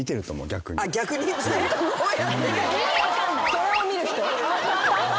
それを見る人？